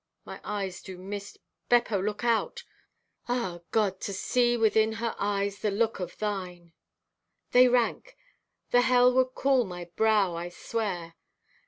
My eyes do mist. Beppo, look thou! Ah, God, to see within her eyes the look of thine! "They rank! And hell would cool my brow, I swear.